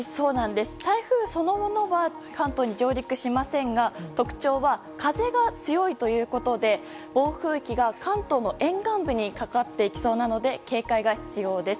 台風そのものは関東に上陸しませんが特徴は風が強いということで暴風域が関東の沿岸部にかかっていきそうなので警戒が必要です。